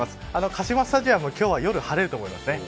カシマスタジアム、今日夜は晴れると思います。